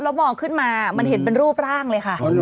แล้วมองขึ้นมามันเห็นเป็นรูปร่างเลยค่ะ